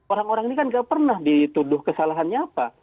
orang orang ini kan gak pernah dituduh kesalahannya apa